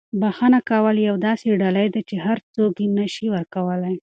بښنه کول یوه داسې ډالۍ ده چې هر څوک یې نه شي ورکولی.